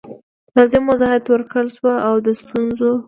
لازم وضاحت ورکړل سو او د ستونزو